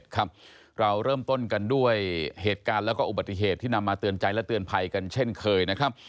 ครับเราเริ่มต้นกันด้วยเหตุการณ์แล้วก็อุบัติเหตุที่นำมาเตือนใจและเตือนภัยกันเช่นเคยนะครับ